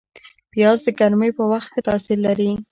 پیاز د ګرمۍ په وخت ښه تاثیر لري